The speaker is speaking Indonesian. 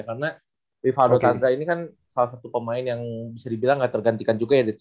karena rivaldo tandra ini kan salah satu pemain yang bisa dibilang gak tergantikan juga ya dari tiga x tiga ya